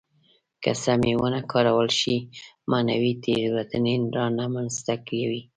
که سمې ونه کارول شي معنوي تېروتنې را منځته کوي.